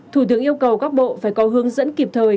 thủ tướng yêu cầu các bộ phải có hướng dẫn kịp thời